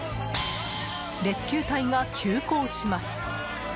レスキュー隊が急行します。